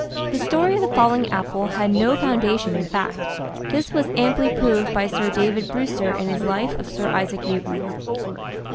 The story of the falling apple had no foundation in fact; this was amply proved by Sir David Brews ter in his life of Sir Isaac Newton.